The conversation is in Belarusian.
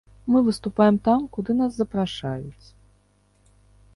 Мы выступаем там, куды нас запрашаюць.